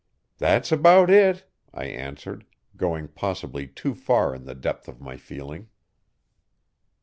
'That's about it,' I answered, going possibly too far in the depth of my feeling.